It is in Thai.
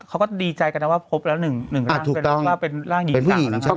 เขาก็ดีใจกันนะว่าพบแล้ว๑ร่างเป็นร่างหญิงสาว